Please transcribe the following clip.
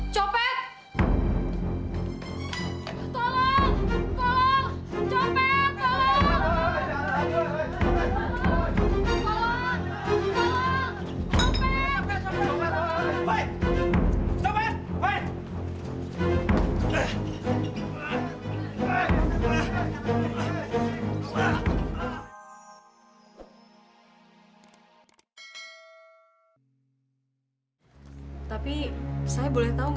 jangan lupa like share dan subscribe channel ini